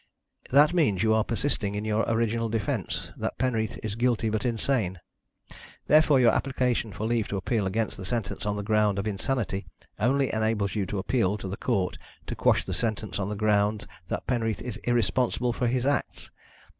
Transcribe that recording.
"That means you are persisting in your original defence that Penreath is guilty, but insane. Therefore your application for leave to appeal against the sentence on the ground of insanity only enables you to appeal to the Court to quash the sentence on the ground that Penreath is irresponsible for his acts.